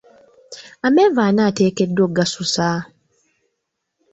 Amenvu ani ateekeddwa okugasusa?